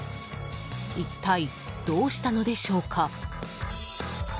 一体どうしたのでしょうか？